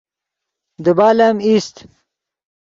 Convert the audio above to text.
دیبال ام ایست